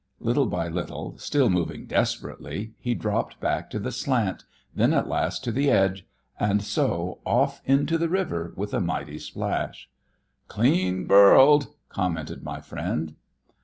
Little by little, still moving desperately, he dropped back to the slant, then at last to the edge, and so off into the river with a mighty splash. "Clean birled!" commented my friend.